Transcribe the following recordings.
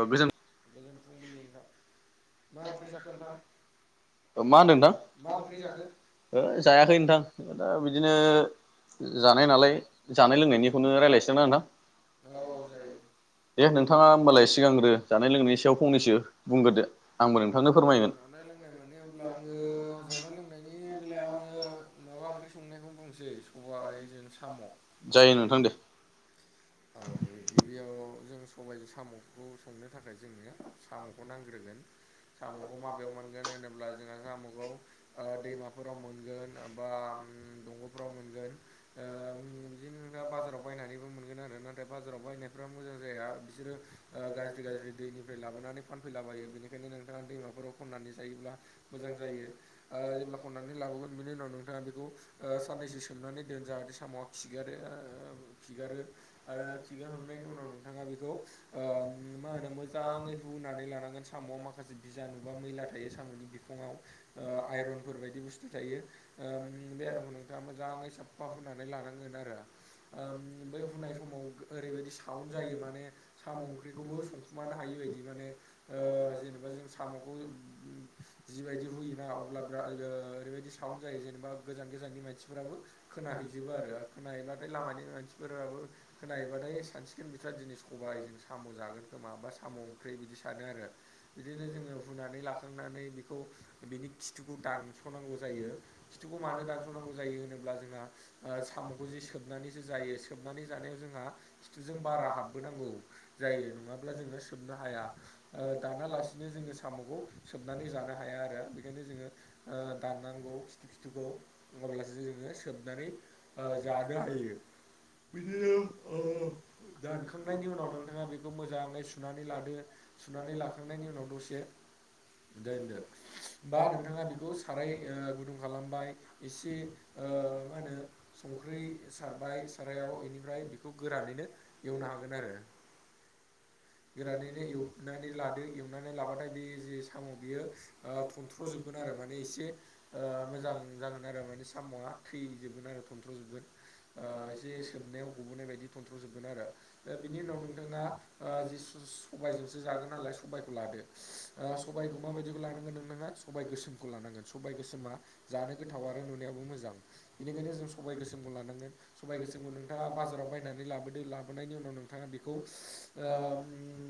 औ गोजोन गोजोन फुंबिलि नोंथां मा ओंख्रि जाखो नोंथां? ओ मा होनदों नोंथां होय जायाखै नोंथां दा बिदिनो जानाय नालाय जानाय लोंनायनिखौनो रायलायनोसै ना नोंथां? दे नोंथाङा होमबालाय सिगांग्रो जानाय लोंनायनि सायाव फंनैसो बुंग्रोदो। आंबो नोंथांनो फोरमायगोन। जानाय लोंनाय माने अब्ला आङो जानाय लोंनायनि बेलायाव आङो माबा ओंख्रि संनायखौनो बुंसै सबाय जों साम'। औ गिबियाव जों सबायजों साम'खौ संनो थाखाय जोंनो साम'खौ नांग्रोगोन। साम'खौ माबेयाव मोनगोन होनोब्ला जोंहा साम'खौ ओ दैमाफोराव मोनगोन बा ओम दंग'फ्राव मोनगोन ओ उम बिदिनो बाजाराव बायनानैबो मोनगोन आरो। बाजाराव बायनायफ्राम [unintelligible] ओ बिसोरो ओ गाज्रि गाज्रि दैनिफ्राय लाबोनानै फानफैलाबायो बेनिखायनो नोंथाङा दैमाफोराव खननानै लाय ब्ला मोजां जायो ओ जेब्ला खननानै लाबोगोन बेनि उनाव नोंथाङा ओ साननैसो सोमना नानै दोन जाहाथे सामआ खिगारो ओ खिगारो आरो खिगारखांनायनि उनाव नोंथां ओ बेखौ ओ मा होनो मोजाङै रुनानै लानांगोन साम'आ माखासे बिजानुबा मैला थायो साम'नि बिखङाव ओ आइरनफोरबादि बुस्थु थायो बे आरोखौ नोंथाङा मोजाङै साफा हुनानै लानांगोन आरो ओ बै हुनाय समाव ओरैबायदि साउनड जायो माने साम' ओंख्रिखौबो संखुमानो हायि बायदि माने ओ ओ जेनेबा जों साम'खौ जिबायदि हुयोना अब्ला बिराद ओ ओरैबायदि साउन्दड जायो। जेनेबा गोजान गोजाननि मानसिफोराबो खोनाहैजोबो आरो खोनाहैब्लाथाय लामानि मानसिफोराबो खोनायोबाथाय सानसिगोन बिस्रा दिनै सबायाइ जों साम' जागोन खोमा बा साम' ओंख्रि बिदि सानो आरो। बिदिनो जोङो हुनानै लाखांनानै बेखौ बिनि‌ खि फिथुखौ दानस'नांगौ जायो फिथुखौ मानो दानस'नांगौ जायो होनोब्ला जोंहा ओ साम'खौ जे सोबनानैसो जायो सोबनानै जानायाव जोंहा फिथुजों बारा हाबबोनांगौ जायो नङाब्ला जोङो सोबनो हाया दानालासिनो जोङो साम'खौ सोबनानै जानो हाया आरो बेनिखायनो जोङो दाननांगौ खिथु खिथुखौ अब्लासो जोङो सोबनानै जानो हायो बिदिनो ओ दानखांनायनि उनाव नोंथाङा बेखौ मोजाङै सुनानै लादो सुनानै लाखांनायनि उनाव दसे [unintelligible] बा नोंथाङा बेखौ साराय गुदुं खालामबाय एसे ओ मा होनो संख्रि सारबाय सारायाव बेनिफ्राय बेखौ गोरानैनो एवनो हागोन आरो [inaudible] गोरानैनो एवनानै लादो एवनानै लाबाथाय बे जे सामाव बियो थनथ्र'जोबगोन आ आरो माने एसे मोजां जागोन आरो माने साम'आ थैजोबगोन आरो थन्थ्र'जोबगोन ओ जे सोमनायाव गबोनाय बाय दि थनथ्र'जोबगोन आरो ओ बिनि उनाव नोंथाङा जि सो सबायजों जागोन नालाय सबायखौ लादो सखौ मायखौ लानांगोन नोंङो सबाय गोसोमखौ लानांगोन सबाय गोसोमा जानो गोथाव आरो नुनायाबो मोजां बेनिखायनो जों सबबाय गोसोमखौ लानांगोन सबाय गोसोम नोथाङा बाजाराव बायनानै लाबोदो लाबोनायनि उनाव नोंथाङा बेखौ ओ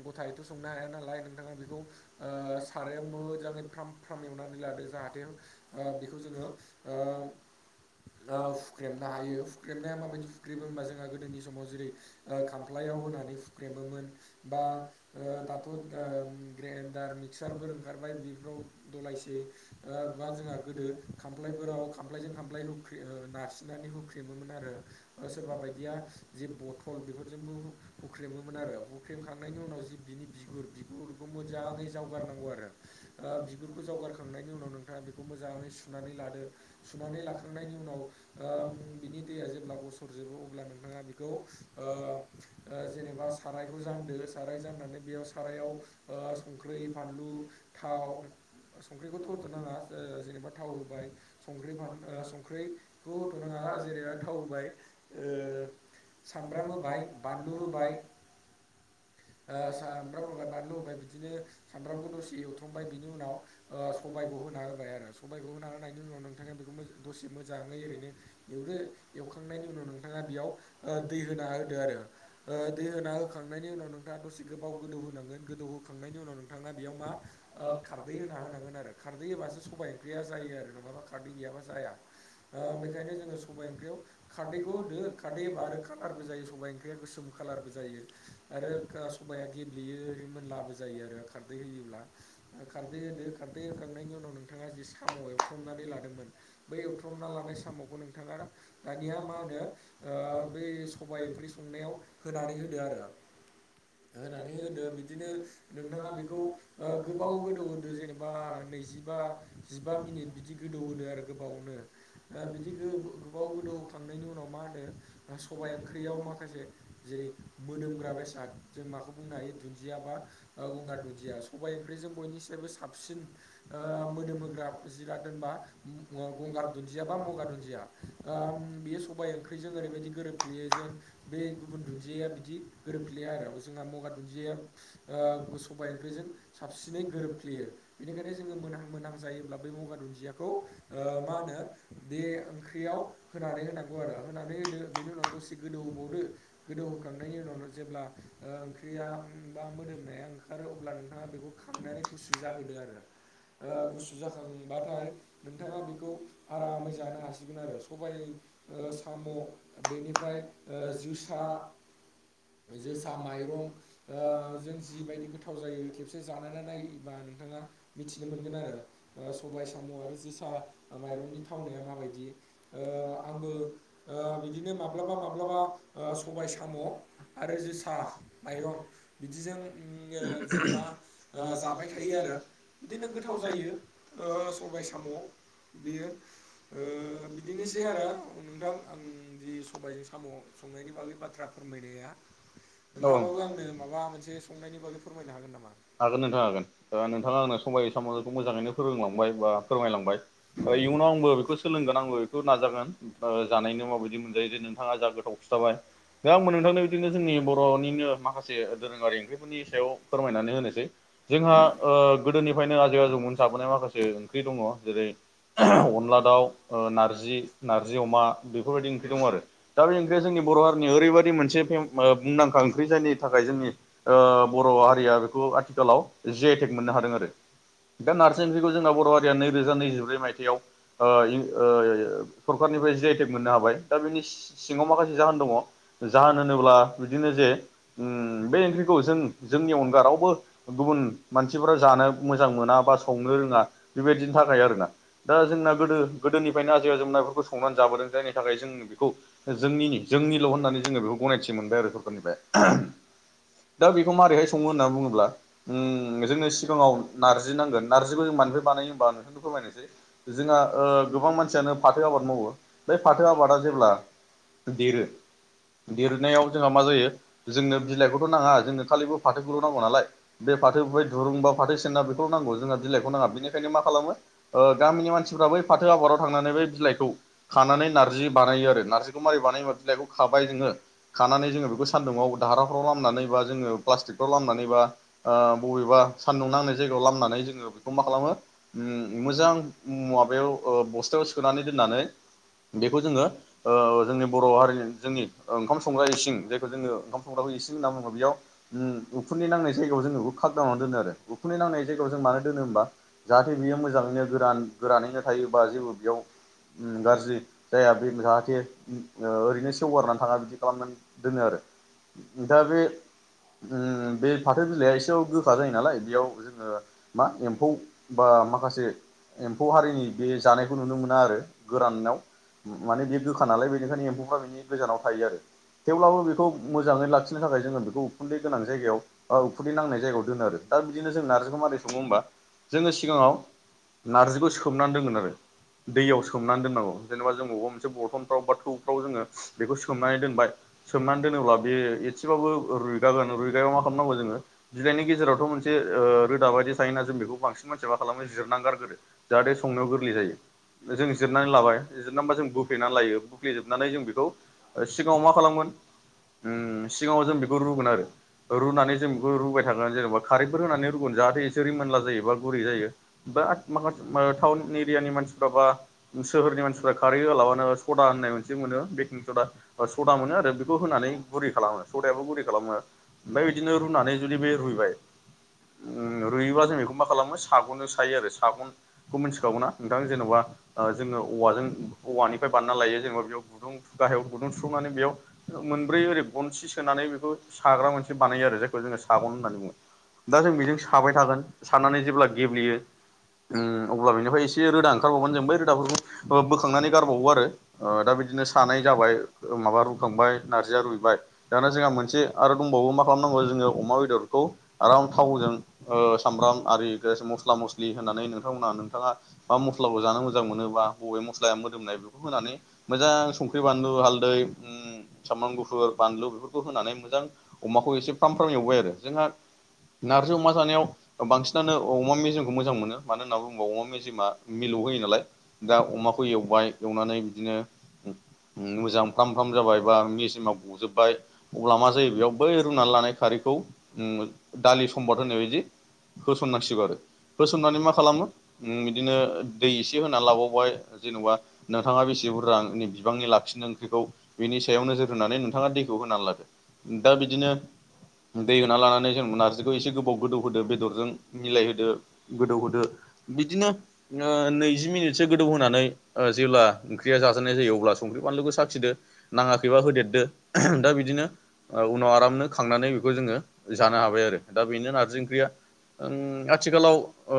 गथायथ' संनो हाया नालाय नोंथां बेखौ सारायाव मोजाङै फ्राम फ्राम एवनानै लादो जाहाथे बेखौ जोङो ओ ओ हुख्रेमनो हायो हुख्रेमनाया माबायदि हुख्रेबो होनबा गोदोनि समाव जेरै खामफ्लायाव होनानै फुख्रेमोमोन बा ओ दाथ' ओ ओ ग्राइडार मिक्सारफोर ओंखारबाय बेफोराव दलायसै बा जोंहा गोदो खामफ्लायफोराव खामफ्लायजों खामफ्लाय हुख्रे नारसिननानै हुख्रेमोमोन आरो सोरबा बायदिया जे बथल बेफोरजोंबो हुख्रेमोमोन आरो हुख्रेमखांनायनि उनाव जि बिनि बिगुर बिगुर मोजाङै जावगारनांगौ आरो ओ बिगुरखौ जावगारखांनायनि उनाव नोंथाङा बेखौ मोजाङै सुनानै सुनानै लादो लाखांनायनि उनाव बिनि दैया जेब्ला गसरजोबो अब्ला नों थांङा बेखौ ओ ओ जेनेबा सारायखौ जान्दो साराय जाननानै बेयाव सारायाव ओ संख्रि फानलु थाव संख्रिखौथ' होथ'नाङा जेनेबा थाव होबाय संख्रिान संख्रिखौ होथ'नाङा दा जेनैबा थाव होबाय ओ सामब्राम होबाय बानलु होबाय [inaudible] ओ सामब्राम होबाय बानलु होबाय बिदिनो सामब्रामखौ दसे एवथ्रमबाय बिनि उनाव सबायाइखौ होना हो होबाय आरो सबबायखौ होना होनायनि उनाव नोंथाङा बेखौ दसे मोजाङै ओरैनो एवरो एखां खांनायनि उनाव नोंथाङा बेयाव दै होना होदो आरो दै होना होखांनायनि उनाव नोंथाङा दसे गोबाव गोदौ होनांगोन गोदौ होखांनायनि उनाव नोंथाङा बेयाव मा खारदै होना होनांगोन आरो खारदै होबासो सबाय ओंख्रिया जायो आरो नङाबा खारदै गैयाबा जाया ओ बेखायनो जो सबाय ओंख्रियाव खारैखौ होदो आरो कालारबो जायो सबाय ओंख्रिया गोसोम कालार जायो आरो ओ सबाया गेब्लेयो मोनलाबो जायो आरो खारदै होयोब्ला खारदै होदो खारदै होखांनायनि उनाव नों थाङा जि साम' एवथ्रमनानै लादोंमोन बै एवथ्रमना लानाय साम'खौ नोंथाङा दानिया मा होनो ओ बै सबाय ओंख्रि संनायाव होनानै होदो आरो होनानै होदो बिदिनो नोंथाङा बेखौ ओ गोबाव गोदौ होदो जेनेबा नैजिबा जिबा मिनिट बिदि गोदौ होदो आरो गोबावनो ओ बिदि गोबाव गोदौखांनायनि उनाव मा होनो सबाय ओंख्रियाव माखासे जेरै मोदोमग्रा बेसाद जों माखौ बुंनो हायो दुन्दिया बा गंगार दुन्दिया सबायाइ ओंख्रि जों बयनि सायबो साबसिन ओ मोदोमोग्रा जिरा दोनबा गंगार दुन्दिया बा म मगा दुन्दिया ओम बेयो सबाय ओंख्रिजों ओरैबायदि गोरोबफ्लेयो जेन बेै गुबुन दुन्दिया बिदि गोरोबफ्लेया आरो जोंहा मगा दुन्दियाया ओ सबायाइ ओंख्रिजों साबसिनै गोरोबफ्लेयो बेनिखायनो जोङो मोनहां मोनहां जायोब्ला बै मगा दुन न्दियाखौ ओ मा होनो बे ओंख्रियाव होनानै होनांगौ आरो होनानै होदो बेनि उनाव दसे गोदौहोबावदो गोदौ होखांनायनि उनाव नों जेब्ला ओ ओंख्रिया ओ बा मोद दोमनाया ओंखारो अब्ला नोंथाङा बेखौ खांनानै गुसु जाहोदो आरो। ओ गुसु जाखांबाथाय नोंथाङा बेखौ आरामै जानो हासिगोन आरो सबाय ओ साम' बेनिफ्राय ओ जोसा जोसा माइरं ओ जों जिबायदि गोथाव जायो खेबसे जानायना नायोबा नोंथाङा मिथिनो मोनगोन आरो ओ सबाय साम' आरो जोसा माइरंनि थावनाया माबायदि ओ आंबो ओ बिदिनो माबा माब्लाबा माब्लाबा ओ सबाय साम' आरो जोसा माइरं बिदिजों ओ जेनेबा ओ जाबाय थायो आरो बिदिनो गोथाव जायो ओ सबाय साम' बेयो बिदिनोसै आरो नोंथां आं जि सबायजों साम' संनायनि बागै बाथ्रा फोरमायनाया। नोंथाङाबाबो आंनो माबा मोनसे संनायनि बागै फोरमायनो हागोन नामा? हागोन नोंथां हागोन दा नोंथाङा आंनो सबाय सामखौ मोजाङैनो फोरोंलांबाय। बाय बा फोरमायलांबाय इउनाव आंबो बेखौ सोलोंगोन आंबो बेखौ नाजागोन जानायनो माबायदि मोनजायो जे नोंथाङा जा गोथाव खिथाबाय। दा आंबो नोंथांनो बिदिनो जोंनि बर'निनो माखासे दोरोङारि ओंख्रिफोरनि सायाव फोरमायनानै होनो सै जोंहा ओ गोदोनिफ्रायनो आजै आजौमोन जाबोनाय माखासे ओंख्रि दङ जेरै अनला दाउ ओ नारजि नारजि अमा बेफोरबायदि ओंख्रि दं आरो दा बे ओंख्रिया जोंनि बर' हारिनि ओरैबायदि मोनसे फेम ओ मुंदांखा ओंख्रि जायनि थाखाय जोंनि ओ बर' हारिया बेखौ आथ थाखालाव जि आइ टेक मोननो हादों आरो। दा नार्जि ओंख्रिखौ जोंना बर' हारिया नैरोजा नैजिब्रै मायथाइयाव ओ इ ओ यो यो सरखाररि निफ्राय जि आइ थेग मोननो हाबाय दा बिनि सिङाव माखासे जाहोन दङ जाहोन होनोब्ला बिदिनो जे उम्म बे ओंख्रिखौ जों जोंनि अनगा रावबो गुबुन मानसिफ्रा जानो मोजां मोना बा संनो रोङा बेबायदिनि थाखाय आरोना दा जों ना गोदो गोदोनिफ्रायनो आजै आजौ मोना बेफोरखौ संनानै जाबोदों जायनि थाखाय जों बेखौनि जोंनिनि जोंनिल' होनना होननानै जोङो बेखौ गनायथि मोनबाय आरो सरखारनिफ्राय दा बेखौ माबारैहाय सङो होननानै बुङोब्ला उम्म। जोंनो सिगाङाव नारजि नांगोन नारजिखौ जों मानि बानाय होमबा नोंथांनो फोरमायनोसै जोंहा ओ गोबां मानसियानो फाथो आबाद मावो बे फाथो आबादा जेब्ला देरो देरनायाव जोंहा मा जायो जोंनो बिलाइखौथ' नाङा जोंनो खालिबो फाथोखौल' नांगौ नालाय। बे फाथोनि दुरुं बा फाथो सेना बेखौल' नांगौ जोंहा बिलाइखौ नाङा बेनिखायनो मा खालामो ओ गामिनि मानसिफो रा बै फाथो आबादाव थांनानै बै बिलाइखौ खानानै नारजि बानायो आरो नारजिखौ मारै बानाया बिलाइखौ खाबाय जोङो खानानै जोङो बेखौ सानदुंआव दारहाफ्राव लामनानै बा जोङो प्लास्टिकफ्राव लामनानै बा ओ बबेबा सान्दुं नांनाय जायगायाव लामनानै जोङो बेखौ मा खालामो उम्म मोजां माबायाव बस्थायाव सोनानै दोननानै बेखौ जोङो ओ जोंनि बर' हारिनि जोंनि ओ ओंखाम संग्रा इसिं जायखौ जोङो ओंखाम संग्रा इसिं होनना बुङो बेयाव उम्म उखुन्दै नांनाय जायगायाव जोंङो बेखौ खाग्दावना दोनो आरो उखुन्दैनांनाय जायगायाव जों मानो दोनो होमबा? जाहाथे बियो मोजाङैनो गोरान गोरानैनो थायोबा जेबो बेयाव उम्म गाज्रि जाया बे जाहाथे ओरैनो सेवगारना थाङा बिदि खालामनानै दोनो आरो। दा बे उम्म बे फाथो बिलाइया एसेबाबो गोखा जायो नालाय बेयाव जोङो मा एम्फौ बा माखासे एम्फौ हारिनि बे जानायखौ नुनो मोना आरो गोरानाव माने बे गोखा नालाय बेनिखायनो एम्फौफ्रा बिनि गोजानाव थायो आरो। थेवब्लाबो बेखौ मोजाङै लाखिनो थाखाय जोङो बेखौ उखुन्दै गोनां जायगायाव उखुन्दै नांनाय जायगायाव दोनो आरो दा बिदिनो जों नारजिखौ मारै सङो होमबा जोङो सिगाङाव नारजिखौ सोमना दोनगोन आरो दैयाव सोमनानै दोननांगौ जेनेबा जों अबेबा मोनसे बरथनफ्राव बा थौफ्राव जोङो बेखौ सोमनानै दोनबाय सोमनान दोनोबा बे एसेबाबो रुइगागोन रुइगायाबा मा खालामनांगौ जोङो बिलाइनि गेजेरावथ मोनसे ओ रोदा बायदि थायोना जों बेखौ बांसिन मानसिया मा खालामो जिरना गार जाहाथे संनायाव गोरलै जायो जों जिरनानै लाबाय जिरनानैबा जों बोफ्लेनानै लायो बोफ्लेजोबनानै जों बेखौ सिगाङाव मा खालामोन उम सिगाङाव जों बेखौ रुगोन आरो रुनानै जों बेखौ रुबाय थागोन जेनेबा खारैफोर होनानै रुगोन जाहाथे एसे रिमोन मोनला जायो बा गुरै जायो बा माखासे टाउन एरियानि मानसिफ्रा बा सोहोरनि मानसिफ्रा खारै होलाबानो सदा होननाय मोन नो जे मोनो बेकिं सदा ओ सदा मोनो आरो बेखौ होनानै गुरै खालामो सदायाबो गुरै खालामो ओमफ्राय बिदिनो रुनानै जुदि बे रुइबाय रुइयोबा जों बेखौ मा खालामो सागंजों सायो आरो सागंखौ मोनथिखागौना नोंथां जेनबा ओ जोङो औवाजों औवानिफ्राय बानायना लायो जेनेबा बेयाव गुदुं गाहायाव गुदुं थुफ्लंनानै बेयाव मोनब्रै ओरै गनसि सोनानै बेखौ साग्रा मोनसे बानायो आरो जायखौ जोङो सागं होननानै बुङो दा जों बेजों साबाय थागोन साननानै जेब्ला गेब्लेयो ओम अब्ला बेनिफ्राय एसे रोदा ओंखारबावगोन जों बै रोदाफोरखौ ओ बोखांनानै गारबावो आरो ओ दा बिदिनो सानाय जाबाय माबा रुखांबाय नारजिया रुइबाय दाना जोंहा मोनसे आरो दंबावो मा ओम माखालामनांगौ जोङो अमा बेदरखौ आराम थावजों ओ सामब्राम आरि गेस मसला मस्लि हो होनानै नोंथामोना नोंथाङा मा मस्लाखौ जानो मोजां मोनो बा बबे मस्लाया मोदोमनाय बेखौ होनानै मोजां मोजां संख्रि बानलु हाल्दै ओम सामब्राम गुफुर बानलु बेफोरखौ होनानै मोजां अमाखौ एसे फ्राम फ्राम एवबाय आरो जोंहा नारजि अमा जानायाव बांसिनानो अमा मेजेमखौ मोजां मोनो मानो होनना बुङोबा अमा मेजेमा मिलौ होयो नालाय दा अमाखौ एवबाय एवनानै बिदिनो ओम मोजां फ्राम फ्राम जाबाय बा मेजेमा गजोबबाय अब्ला मा जायो बेयाव बै रुनान लानाय खारैखौ ओम दालि सम्बद होनाय बायदि होसननांसिगौ आरो होसननानै मा खालामो ओम बिदिनो दै एसे होना लाबावबाय जेनबा नोंथाङा बेसे बुरजानि बिबांनि लाखिनो ओंख्रिखौ बेनि सायाव नोजोर होनानै नोंथाङा दैखौ होना लादो दा बिदिनो दै होना लानानै जों नार्जिखौ एसे गोबाव गोदौ होदो बेदरजों मिलायहोदो गोदौ होदो बिदिनो ओ नैजि मिनिटसो गोदौहोनानै ओ जेब्ला ओंख्रिया जाजानाय जायो अब्ला सम संख्रि फानलुखौ साखिदो नाङाखैबा होदेरदो औहम बिदिनो ओ उनाव आरामनो खांनानै बेखौ जोङो जानो हाबाय आरो दा बेनो नारजि ओंख्रिया ओं आथिखालाव ओ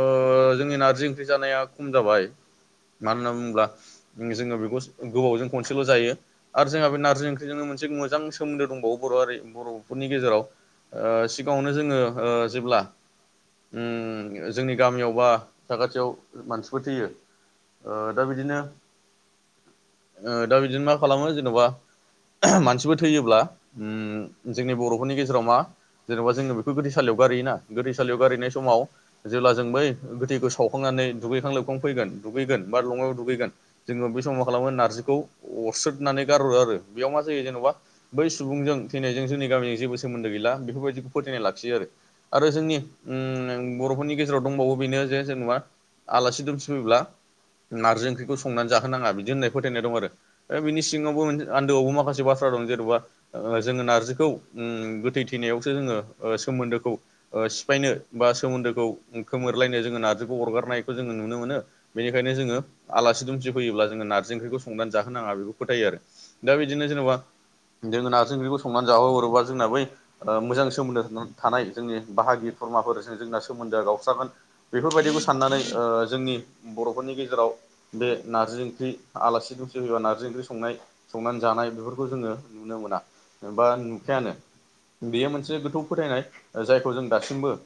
जोंनि नारजि ओंख्रि जानाया खम जाबाय मानो होनना बुङोब्ला ओम जोङो बेखौ गोबावजों खनसेल जायो आरो जोंहा बे नारजि ओंख्रिजों मोनसे मोजां सोमोनदो दंबावो बर' हारि बर'फोरनि गेजेराव ओ सिगाङावनो जोङो ओ जेब्ला ओम जोंनि गामियाव बा ओ दा बिदिनो ओ दा बिदिनो मा खालामो जेनबा मानसिबो थैयोब्ला ओम जोंनि बर'फोरनि गेजेराव मा जेनेबा जोङो बेखौ गोथैसालियाव गारयोना गोथैसालियाव गारनाय समाव जेब्ला जों बै गोथैखौ सावखांनानै दुैखां लोबखां फैगोन दुगैगोन बा लङायाव दुगैगोन जोङो बे समावा खालामगोन नारजिखौ अरस्रोद नानै गार'रो आरो बेयाव मा जायो जेनेबा बै सुबुंजों थैनायजों जोंनि गामिजों जेबो सोमोन्दो गैला बेफोरबायदिखौ फोथायनाय लाखियो आरो जोंनि ओम बर'फोरनि गेजेराव दंबावो बेनो जे जेनेबा आलासि दुमसि फैब्ला नारजि ओंख्रिखौ संनानै जाहोनाङा बिदि होननाय फोथायनाय दं आरो बिनि सिङावबो मोनसे आन्दोआवबो माखासे बाथ्रा जेनेबा जोङो नारजिखौ गोथै थैनायावसो जोङो सोमोन्दोखौ सिफायनो बा सोमोन्दोखौ खोमोरलायनो जोङो ना रजिखौ अरगारनायखौ जों नुनो मोनो बेनिखायनो जोङो आलासि दुमसि फैयोब्ला जोङो नारजि ओंख्रिखौ जाहोनो आलु फोथायो आरो दा बिदिनो जेनेबा जोगोनार जों संनानै जाहोहरोबा जोंना बै मोजां सोमोन्दो थानाय जोंनि बाहागि कुरमाफोरजों जों जोंना सोमोन्दोआ गावस्रागोन बेफोरबायदिखौ साननानै ओ जोंनि बर'फोरनि गेजेराव बे नारजि ओंख्रि आलासि दुमसि फैयोबा नारजि ओंख्रि संनाय संनानै जानाय बेफोरखौ जोङो नुनो मोना बा नुखायानो बेयो मोनसे गोथौ फोथायनाय जायखौ जों दासिमबो